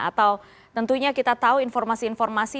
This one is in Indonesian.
atau tentunya kita tahu informasi informasi